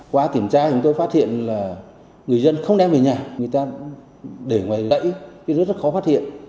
qua kiểm tra chúng tôi phát hiện là người dân không đem về nhà người ta để ngoài lẫy virus rất khó phát hiện